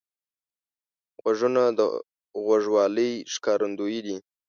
غوږونه د غوږوالۍ ښکارندوی دي